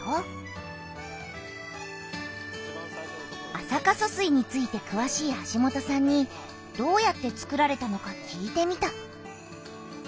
安積疏水についてくわしい橋本さんにどうやってつくられたのか聞いてみた。